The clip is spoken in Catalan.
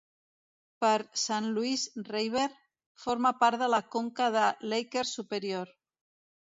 Per Saint Louis River, forma part de la conca de Laker Superior.